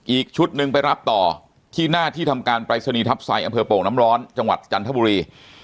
อีกชุดหนึ่งไปรับต่อที่หน้าที่ทำการปรายศนีย์ทัพไซอำเภอโป่งน้ำร้อนจังหวัดจันทบุรี